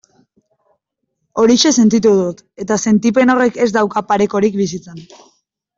Horixe sentitu dut, eta sentipen horrek ez dauka parekorik bizitzan.